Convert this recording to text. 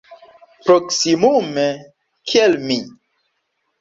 Proksimume kiel mi.